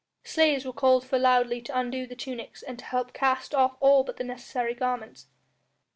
Slaves were called for loudly to undo the tunics and to help cast off all but the necessary garments.